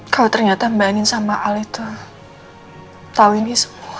kalo ternyata mbak andin sama al itu tau ini semua